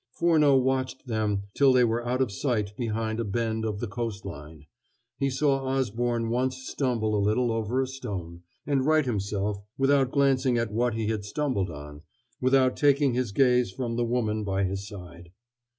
Furneaux watched them till they were out of sight behind a bend of the coast line; he saw Osborne once stumble a little over a stone, and right himself without glancing at what he had stumbled on, without taking his gaze from the woman by his side.